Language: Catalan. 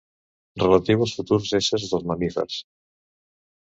Relatiu als futurs éssers dels mamífers.